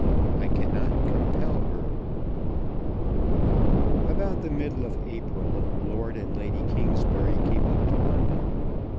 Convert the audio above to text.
"I CANNOT COMPEL HER." About the middle of April Lord and Lady Kingsbury came up to London.